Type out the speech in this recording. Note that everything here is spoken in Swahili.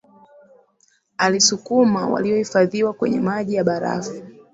alisukuma waliohifadhiwa kwenye maji ya barafu